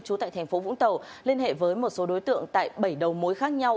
chú tại tp vũng tàu liên hệ với một số đối tượng tại bảy đầu mối khác nhau